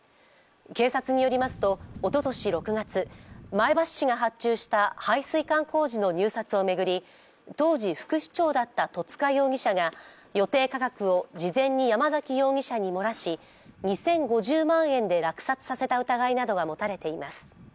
警察によりますと、おととし６月、前橋市が発注した配水管工事の入札を巡り当時、副市長だった戸塚容疑者が予定価格を事前に山崎容疑者に漏らし、２０５０万円で落札させた疑いが持たれています。